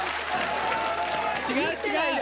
違う違う！